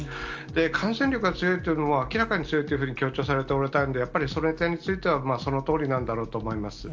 感染力が強いというのは、明らかに強いというふうに強調されておられたんで、やっぱりその点については、そのとおりなんだろうと思います。